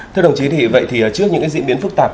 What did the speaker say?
thưa đồng chí thì vậy thì trước những diễn biến phức tạp